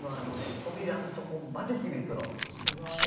扉のとこまで響くのピシッと。